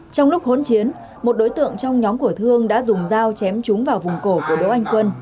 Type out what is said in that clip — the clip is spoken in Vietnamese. trong lúc hỗn chiến một đối tượng trong nhóm của thương đã dùng dao chém chúng vào vùng cổ của đỗ anh quân